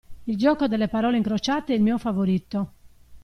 Il gioco delle parole incrociate è il mio favorito.